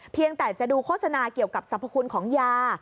เพียงแต่จะดูโฆษณาเกี่ยวกับสรรพคุณของยา